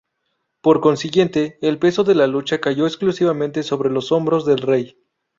Por consiguiente, el peso de la lucha cayó exclusivamente sobre los hombros del rey.